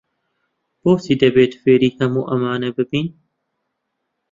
بۆچی دەبێت فێری هەموو ئەمانە ببین؟